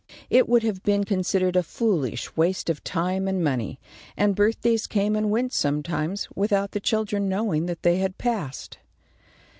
It would have been considered a foolish waste of time and money, and birthdays came and went sometimes, without the children knowing that they had passed.